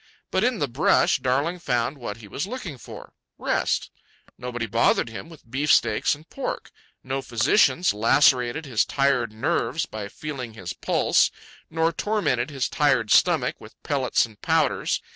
But in the brush, Darling found what he was looking for—rest. Nobody bothered him with beefsteaks and pork. No physicians lacerated his tired nerves by feeling his pulse, nor tormented his tired stomach with pellets and powders.